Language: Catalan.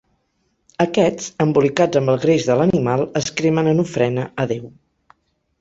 Aquests, embolicats amb el greix de l'animal es cremen en ofrena a déu.